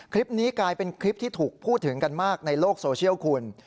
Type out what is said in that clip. คลิปนี้กลายเป็นคลิปที่ถูกพูดถึงกันมากในโลกโซเชียลคุณ